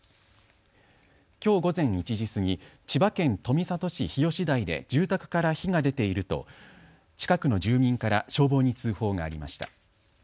きょう午前１時過ぎ、千葉県富里市日吉台で住宅から火が出ていると近くの住民から消防に通報がありました。